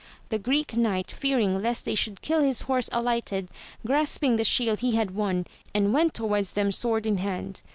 The Greek Knight fearing lest they should kill his horse, alighted, grasping the shield he had won, and went towards them sword in hand.